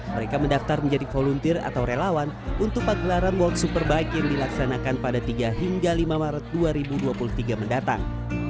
mereka mendaftar menjadi volunteer atau relawan untuk pagelaran world superbike yang dilaksanakan pada tiga hingga lima maret dua ribu dua puluh tiga mendatang